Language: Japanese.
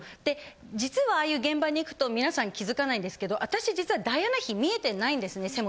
で実はああいう現場に行くと皆さん気付かないんですけど私実はダイアナ妃見えてないんですね。